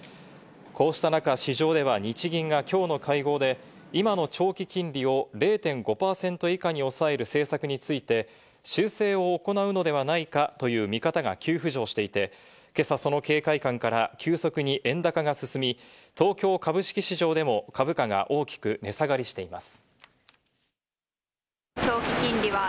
こうした中、市場では日銀がきょうの会合で今の長期金利を０．５％以下に抑える政策について修正を行うのではないかという見方が急浮上していて、今朝、その警戒感から急速に円高が進み、東京株式市場でも株価が大きく値下がりしています。